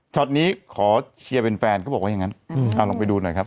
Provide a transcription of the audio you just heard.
นี้ขอเชียร์เป็นแฟนเขาบอกว่าอย่างนั้นลองไปดูหน่อยครับ